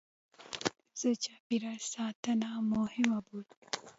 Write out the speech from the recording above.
زه چاپېریال ساتنه مهمه بولم.